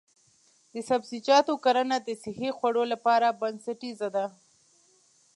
د سبزیجاتو کرنه د صحي خوړو لپاره بنسټیزه ده.